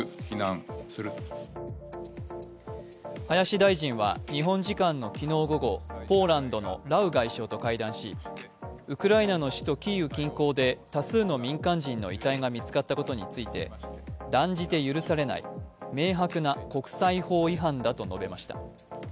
林大臣は日本時間の昨日午後ポーランドのラウ外相と会談しウクライナの首都キーウ近郊で、多数の民間人の遺体が見つかったことについて、断じて許されない、明白な国際法違反だと述べました。